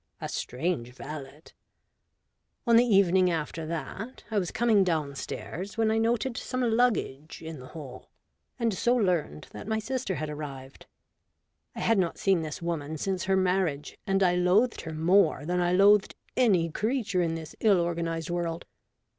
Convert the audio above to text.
A strange valet ! On the evening after that, I was coming down stairs, when I noted some luggage in the I38 A BOOK OF BARGAINS. hall, and so learned that my sister had arrived. I had not seen this woman since her marriage, and I loathed her more than I loathed any creature in this ill organized world.